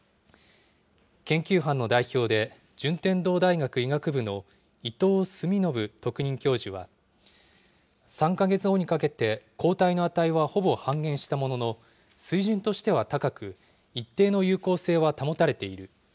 研究班の代表で、順天堂大学医学部の伊藤澄信特任教授は、３か月後にかけて、抗体の値はほぼ半減したものの、水準としては高く、一定の有効性は保たれている。